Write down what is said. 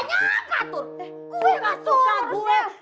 gue mah suka gue